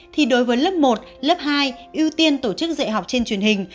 thì đối với lớp một lớp hai ưu tiên tổ chức dạy học trên truyền hình